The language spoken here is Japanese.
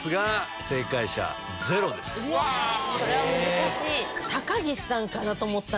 これは難しい！